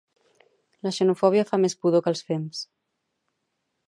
la xenofòbia fa més pudor que els fems